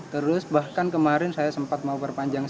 terus bahkan kemarin saya sempat mau perpanjang